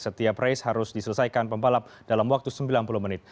setiap race harus diselesaikan pembalap dalam waktu sembilan puluh menit